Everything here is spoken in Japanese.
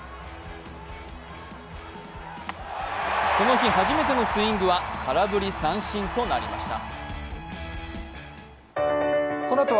この日初めてのスイングは空振り三振となりました。